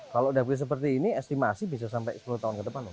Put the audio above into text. kalau udah bisa seperti ini estimasi bisa sampai sepuluh tahun ke depan